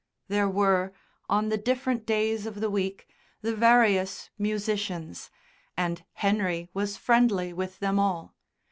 There were, on the different days of the week, the various musicians, and Henry was friendly with them all.